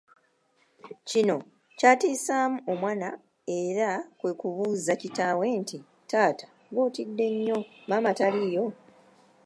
Kino kyatiisaamu omwana era kwe kubuuza kitaawe nti, “Taata ng’otidde nnyo, maama taliiyo?”